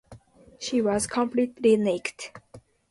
She was completely naked.